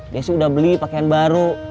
dia sih udah beli pakaian baru